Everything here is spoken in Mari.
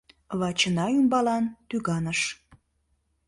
Вачына ӱмбалан тӱганыш.